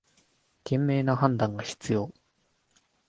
賢明な判断が必要